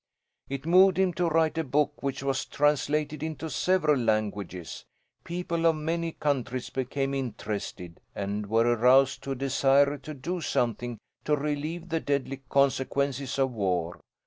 "It moved him to write a book which was translated into several languages. People of many countries became interested and were aroused to a desire to do something to relieve the deadly consequences of war.